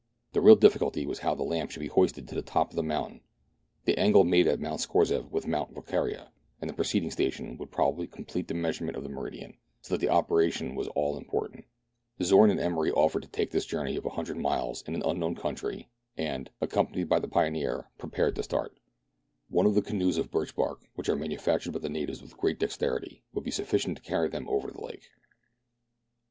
The real difficulty was how the lamp should be hoisted to the top of the moun tain. The angle made at Mount Scorzef with Mount Volquiria and the preceding station would probably complete the measurement of the meridian, so that the operation was all important, Zorn and Emery offered to take this journey of a hundred miles in an unknown country, and, accompanied by the pioneer, prepared to start One of the canoes of birch bark, which are manufactured by the natives with great dexterity, would be sufficient to carry them over the lake.